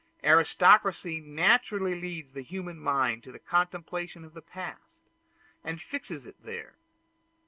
Aristocracy naturally leads the human mind to the contemplation of the past, and fixes it there.